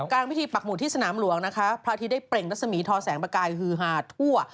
กลางพิธีปักหมุดที่สนามหลวงนะคะพระอาทิตย์ได้เปล่งรัศมีทอแสงประกายฮือหาทั่ว